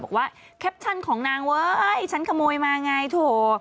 บอกว่าแคปชั่นของนางเว้ยฉันขโมยมาไงโถ